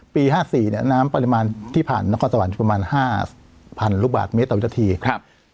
ห้าสี่เนี้ยน้ำปริมาณที่ผ่านนครสวรรค์ประมาณห้าพันลูกบาทเมตรต่อวินาทีครับ